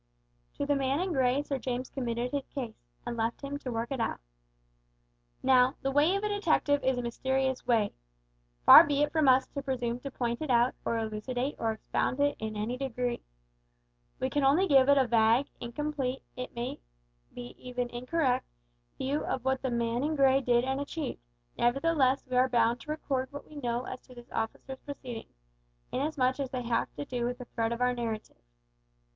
To the man in grey Sir James committed his case, and left him to work it out. Now, the way of a detective is a mysterious way. Far be it from us to presume to point it out, or elucidate or expound it in any degree. We can only give a vague, incomplete, it may be even incorrect, view of what the man in grey did and achieved, nevertheless we are bound to record what we know as to this officer's proceedings, inasmuch as they have to do with the thread of our narrative.